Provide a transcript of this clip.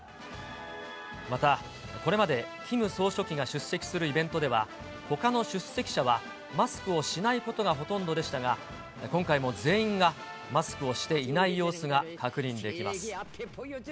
また、これまでキム総書記が出席するイベントでは、ほかの出席者はマスクをしないことがほとんどでしたが、今回も全員がマスクをしていない様子が確認できます。